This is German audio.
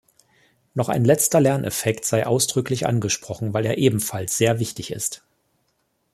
Noch ein letzter Lerneffekt sei ausdrücklich angesprochen, weil er ebenfalls sehr wichtig ist.